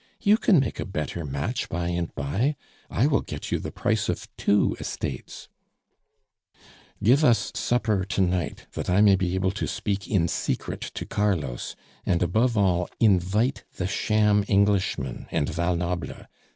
You can make a better match by and by I will get you the price of two estates " "Give us supper to night that I may be able to speak in secret to Carlos, and, above all, invite the sham Englishman and Val Noble.